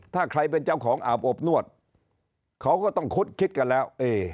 ถ้าใครเป็นเจ้าของอาบอบนวดเขาก็ต้องคุดคิดกันแล้ว